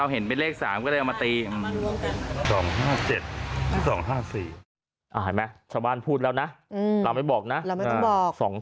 เห็นไหมชาวบ้านพูดแล้วนะเราไม่ต้องบอกนะ